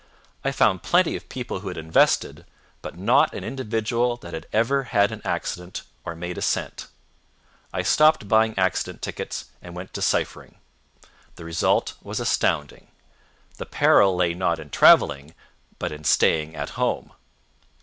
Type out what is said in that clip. I found plenty of people who had invested, but not an individual that had ever had an accident or made a cent. I stopped buying accident tickets and went to ciphering. The result was astounding. THE PERIL LAY NOT IN TRAVELING, BUT IN STAYING AT HOME.